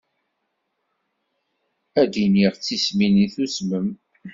Ad d-iniɣ d tismin i tusmem.